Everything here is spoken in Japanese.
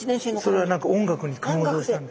それは何か音楽に感動したんです。